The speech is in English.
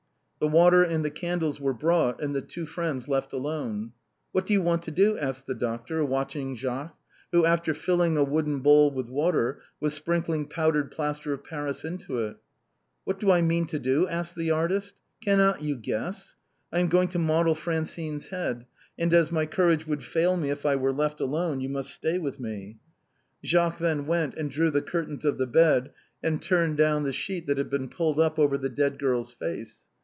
The water and the candles were brought and the two friends left alone. "What do you want to do?" asked the doctor, watching 236 THE BOHEMIANS OF THE LATIN QTTABTEB. Jacques, who after filling a wooden bowl with water was sprinkling powdered plaster of Paris into it. " What do I mean to do ?" said the artist_, "cannot you guess? I am going to model Francine's head, and as my courage would fail me if I were left alone, you must stay with me." Jacques then went and drew the curtains of the bed and turned down the sheet that had been pulled up over the dead girl's face.